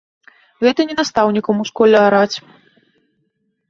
Гэта не настаўнікам у школе араць.